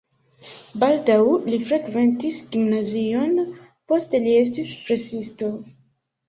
Baldaŭ li frekventis gimnazion, poste li estis presisto.